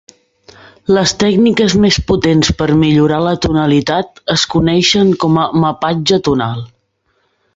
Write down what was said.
Les tècniques més potents per millorar la tonalitat es coneixen com a mapatge tonal.